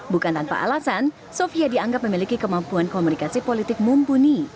bukan tanpa alasan sofia dianggap memiliki kemampuan komunikasi politik mumpuni